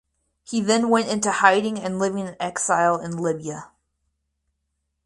He then went into hiding and living in exile in Libya.